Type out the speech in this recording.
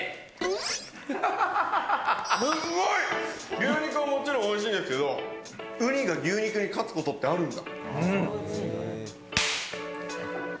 牛肉はもちろんおいしいんですけれど、ウニが牛肉に勝つことってあるんだ。